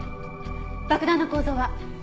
爆弾の構造は？